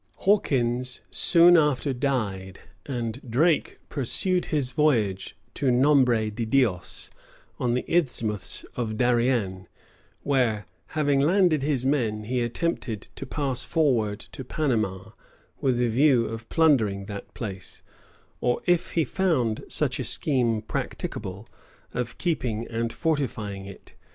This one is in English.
Hawkins soon after died, and Drake pursued his voyage to Nombre di Dios, on the Isthmus of Darien; where, having landed his men, he attempted to pass forward to Panama, with a view of plundering that place, or, if he found such a scheme practicable, of keeping and fortifying it.